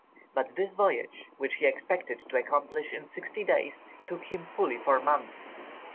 But this voyage, which he expected to accomplish in sixty days, took him fully four months.